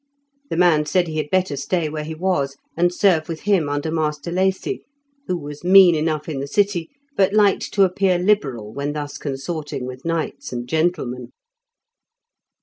The man said he had better stay where he was, and serve with him under Master Lacy, who was mean enough in the city, but liked to appear liberal when thus consorting with knights and gentlemen.